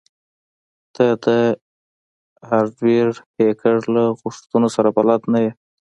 ته د هارډویر هیکر له غوښتنو سره بلد نه یې